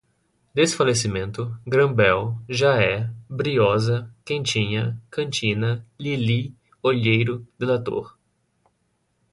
desfalecimento, gran bell, já é, briosa, quentinha, cantina, lili, olheiro, delator